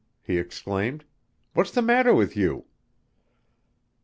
he exclaimed. "What's the matter with you?"